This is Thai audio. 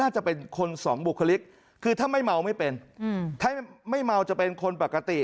จะเป็นคนสองบุคลิกคือถ้าไม่เมาไม่เป็นถ้าไม่เมาจะเป็นคนปกติ